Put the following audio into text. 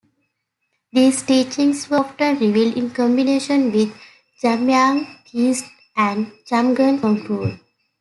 These teachings were often revealed in combination with Jamyang Khyentse and Jamgon Kongtrul.